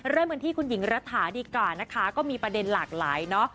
เริ่มกันที่คุณหญิงรัฐาดีกว่านะคะก็มีประเด็นหลากหลายเนอะ